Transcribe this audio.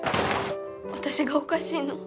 私がおかしいの？